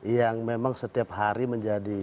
yang memang setiap hari menjadi